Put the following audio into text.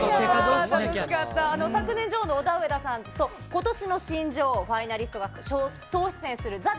オダウエダさんと、ことしの新女王、ファイナリストが総出演するＴＨＥＷ